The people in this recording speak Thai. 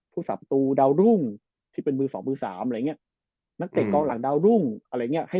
สับตูดาวรุ่งที่เป็นมือสองมือสามอะไรอย่างเงี้ยนักเตะกองหลังดาวรุ่งอะไรอย่างเงี้ยให้